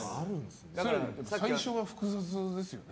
最初は複雑ですよね？